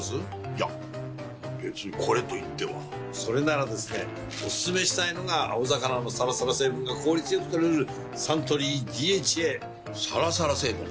いや別にこれといってはそれならですねおすすめしたいのが青魚のサラサラ成分が効率良く摂れるサントリー「ＤＨＡ」サラサラ成分？